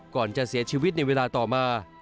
ก่อนจะเสียชีวิตในเวลาต่อมา